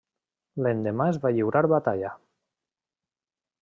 L'endemà es va lliurar batalla.